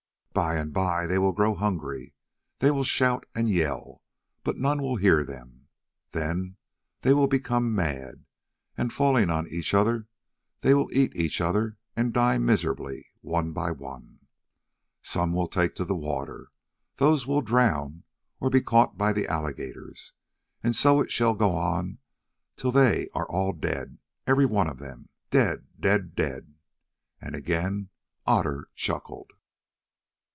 By and by they will grow hungry—they will shout and yell, but none will hear them—then they will become mad, and, falling on each other, they will eat each other and die miserably one by one. Some will take to the water, those will drown or be caught by the alligators, and so it shall go on till they are all dead, every one of them, dead, dead, dead!" and again Otter chuckled.